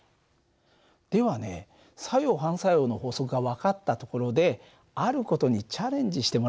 ではね作用・反作用の法則が分かったところである事にチャレンジしてもらおうかな。